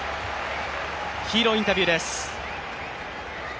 ヒーローインタビューです。